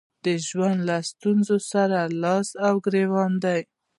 د ژوند له ستونزو سره لاس او ګرېوان دي.